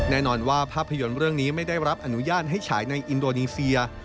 แน่นอนว่าภาพยนตร์เรื่องนี้ไม่ได้รับอนุญาตให้ฉายในอินโดนีเซีย